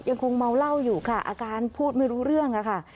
ยังคงเมาเหล้าอยู่ค่ะอาการพูดไม่รู้เรื่องค่ะ